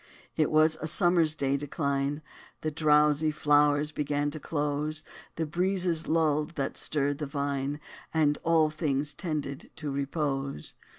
It was a summer day's decline: The drowsy flowers began to close; The breezes lulled, that stirred the vine; And all things tended to repose.